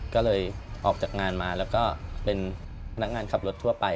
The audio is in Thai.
ก็เลยออกจากงานมาแล้วก็เป็นนักงานขับรถทั่วไป